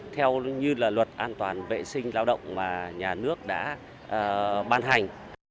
theo như là luật an toàn vệ sinh lao động mà nhà nước đã ban hành